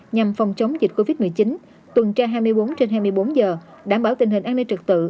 nhằm phòng chống dịch covid một mươi chín tuần tra hai mươi bốn trên hai mươi bốn giờ đảm bảo tình hình an ninh trật tự